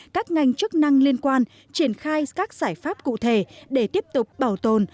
các ngành chức năng liên quan triển khai các giải pháp cụ thể để tiếp tục bảo tồn